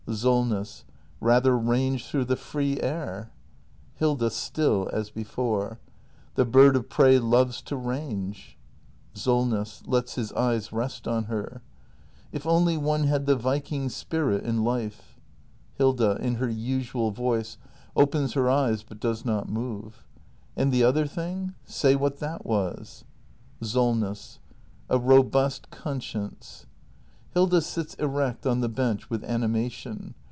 Solness. Rather range through the free air Hilda. [Still as before.] The bird of prey loves to range Solness. [Lets his eyes rest on her.] If only one had the viking spirit in life 404 THE MASTER BUILDER [act hi Hilda. [In her usual voice; opens her eyes but does not move.] And the other thing ? Say what that was ! SOLNESS. A robust conscience. [Hilda sits erect on the bench, with animation.